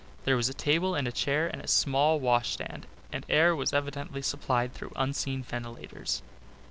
There was a table and a chair and a small washstand, and air was evidently supplied through unseen ventilators.